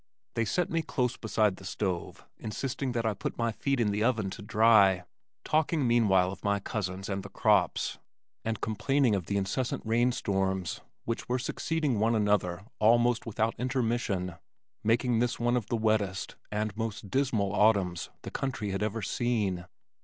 They set me close beside the stove insisting that I put my feet in the oven to dry, talking meanwhile of my cousins and the crops, and complaining of the incessant rainstorms which were succeeding one another almost without intermission, making this one of the wettest and most dismal autumns the country had ever seen.